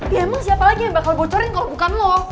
ya emang siapa lagi yang bakal bocorin kok bukan lo